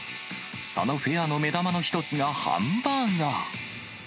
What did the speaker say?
そのフェアの目玉の一つが、ハンバーガー。